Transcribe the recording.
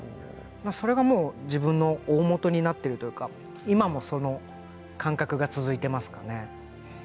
それが自分の大元になっているというか今もその感覚が続いていますかね。